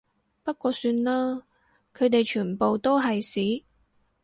不過算啦，佢哋全部都係屎